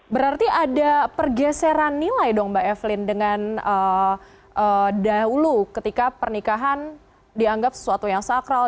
berarti ada pergeseran nilai dong mbak evelyn dengan dahulu ketika pernikahan dianggap sesuatu yang sakral